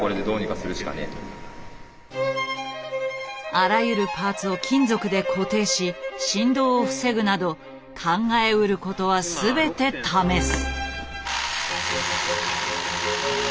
あらゆるパーツを金属で固定し振動を防ぐなど考えうることは全て試す。